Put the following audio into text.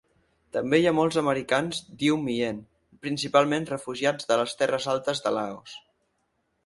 També hi ha molts americans d'Iu Mien, principalment refugiats de les terres altes de Laos.